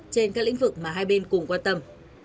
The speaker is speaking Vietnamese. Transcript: trên các lĩnh vực mà hai bên cùng quan tâm